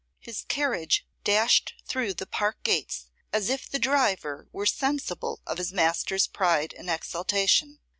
His carriage dashed through the park gates as if the driver were sensible of his master's pride and exultation.